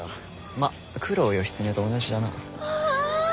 まっ九郎義経と同じだな。